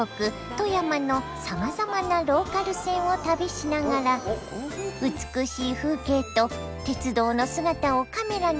富山のさまざまなローカル線を旅しながら美しい風景と鉄道の姿をカメラに収めていきます！